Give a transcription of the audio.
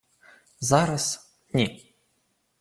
— Зараз... ні.